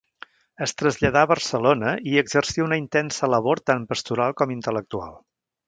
Es traslladà a Barcelona i hi exercí una intensa labor tant pastoral com intel·lectual.